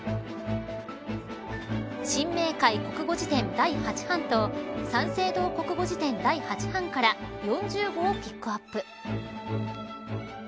新明解国語辞典第八版と三省堂国語辞典第八版から４０語をピックアップ。